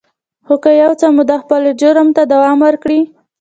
خو که يو څه موده خپل جرم ته دوام ورکړي.